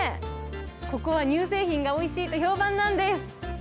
ここは乳製品がおいしいと評判なんです。